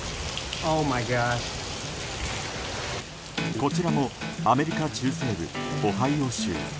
こちらもアメリカ中西部オハイオ州。